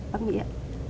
bác nghị ạ